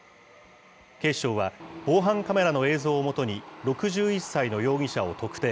警視庁は防犯カメラの映像をもとに、６１歳の容疑者を特定。